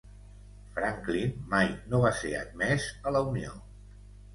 Franklin mai no va ser admès a la Unió.